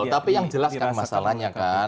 tapi yang jelaskan masalahnya kan